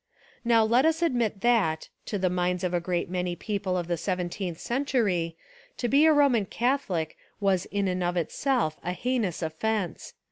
Now let us admit that, to the minds of a great many people of the seventeenth cen tury, to be a Roman Catholic was In and of it self a heinous offence.